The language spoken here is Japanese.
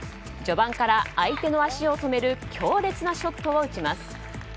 序盤から相手の足を止める強烈なショットを打ちます。